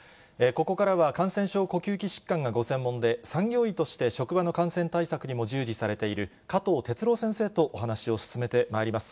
ここからは感染症、呼吸器疾患がご専門で、産業医として職場の感染対策にも従事されている加藤哲朗先生とお話を進めてまいります。